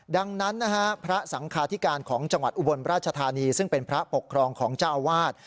ดังนั้นนะฮะพระสังคาธิการของจังหวัดอุบลราชธานีซึ่งเป็นพระปกครองของเจ้าอาวาส